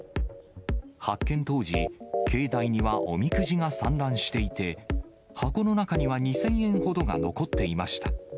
発見当時、境内にはおみくじが散乱していて、箱の中には２０００円ほどが残っていました。